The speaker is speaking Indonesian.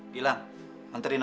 kalau enggakgru coba